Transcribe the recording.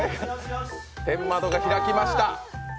天窓が開きました。